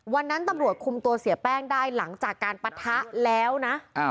วันนั้นตำรวจคุมตัวเสียแป้งได้หลังจากการปะทะแล้วนะ